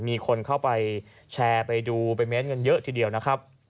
มีคนเข้าไปแชร์ไปดูไปเม้นต์กันเยอะทีเดียวนะครับ